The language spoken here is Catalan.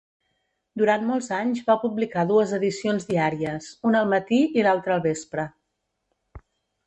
Durant molts anys va publicar dues edicions diàries: una al matí i l'altra al vespre.